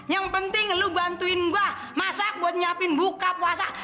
yang penting lu bantuin gue masak buat nyiapin buka puasa